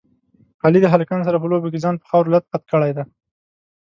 علي د هلکانو سره په لوبو کې ځان په خاورو لت پت کړی دی.